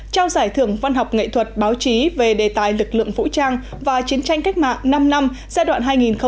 trao giải thưởng văn học nghệ thuật báo chí về đề tài lực lượng vũ trang và chiến tranh cách mạng năm năm giai đoạn hai nghìn một mươi sáu hai nghìn hai mươi